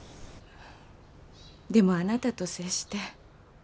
でもあなたと接して。